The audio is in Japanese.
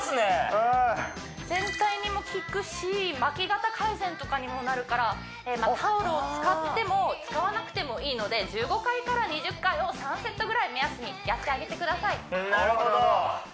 これ全体にもきくし巻き肩改善とかにもなるからタオルを使っても使わなくてもいいので１５回から２０回を３セットぐらい目安にやってあげてください